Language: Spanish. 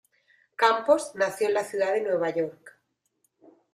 Campos nació en la ciudad de Nueva York.